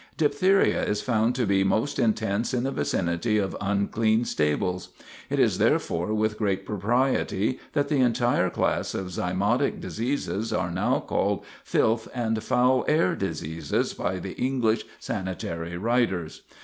Diphtheria is found to be most intense in the vicinity of unclean stables. It is, therefore, with great propriety, that the entire class of zymotic diseases are now called "filth and foul air" diseases by the English sanitary writers.